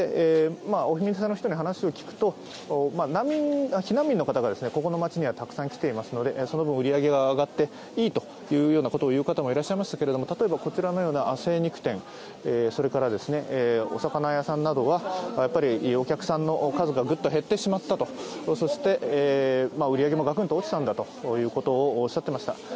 お店の人に話を聞くと、避難民の方がここの街にはたくさん来ていますのでその分、売り上げが上がっていいというようなことを言う方もいらっしゃいましたが例えばこちらのような精肉店、それからお魚屋さんなどはお客さんの数がぐっと減ってしまったと、そして、売り上げもガクンと落ちたんだということをおっしゃっていました。